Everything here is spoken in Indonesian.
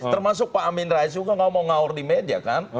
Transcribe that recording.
termasuk pak amin raisuka ngomong ngaur di media kan